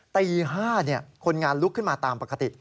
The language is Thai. ตีห้าเนี่ยคนงานลุกขึ้นมาตามปกติ